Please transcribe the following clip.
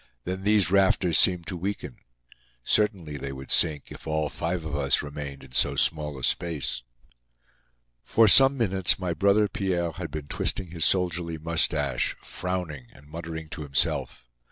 Then these rafters seemed to weaken. Certainly they would sink if all five of us remained in so small a space. For some minutes my brother Pierre had been twisting his soldierly mustache, frowning and muttering to himself.